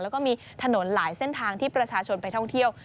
แล้วก็มีถนนหลายเส้นทางที่ประชาชนไปท่องเที่ยว